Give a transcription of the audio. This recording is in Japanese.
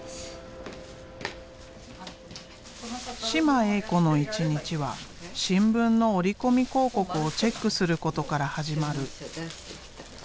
嶋暎子の一日は新聞の折り込み広告をチェックすることから始まる。